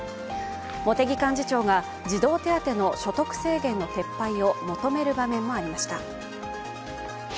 茂木幹事長が児童手当の所得制限の撤廃を求める場面もありました。